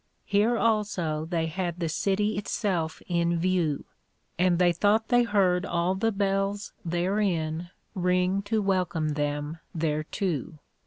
Here also they had the City itself in view, and they thought they heard all the Bells therein ring to welcome them thereto.